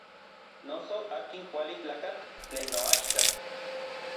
Noso akin kuali tlakatl tlen noaxka.